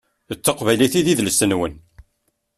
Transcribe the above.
D taqbylit i d idles-nwen.